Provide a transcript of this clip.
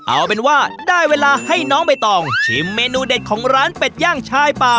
เอาเป็นว่าได้เวลาให้น้องใบตองชิมเมนูเด็ดของร้านเป็ดย่างชายป่า